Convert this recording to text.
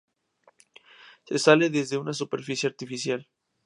Se sale desde una superficie artificial.